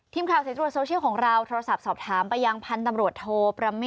ทีมข่าวสายตรวจโซเชียลของเราโทรศัพท์สอบถามไปยังพันธุ์ตำรวจโทประเมฆ